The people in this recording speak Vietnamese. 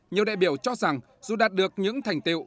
nhiều đại biểu cho rằng dù đạt được những thành tiệu